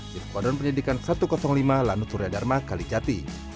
di skodron penyidikan satu ratus lima lanusurya dharma kalijati